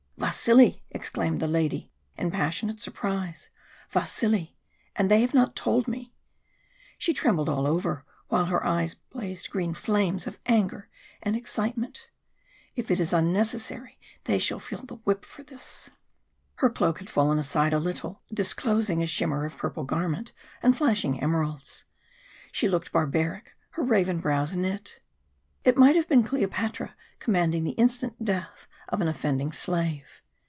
"Vasili!" exclaimed the lady, in passionate surprise. "Vasili! and they have not told me!" She trembled all over, while her eyes blazed green flames of anger and excitement. "If it is unnecessary they shall feel the whip for this." Her cloak had fallen aside a little, disclosing a shimmer of purple garment and flashing emeralds. She looked barbaric, her raven brows knit. It might have been Cleopatra commanding the instant death of an offending slave.